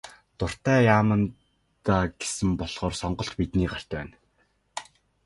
Дуртай яамандаа гэсэн болохоор сонголт бидний гарт байна.